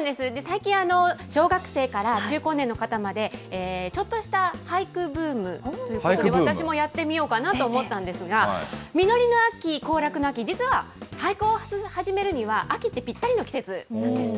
最近、小学生から中高年の方まで、ちょっとした俳句ブームということで、私もやってみようかなと思ったんですが、実りの秋、行楽の秋、実は俳句を始めるには、秋ってぴったりの季節なんです。